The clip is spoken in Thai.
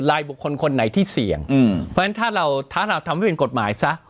บุคคลคนไหนที่เสี่ยงเพราะฉะนั้นถ้าเราถ้าเราทำให้เป็นกฎหมายซะ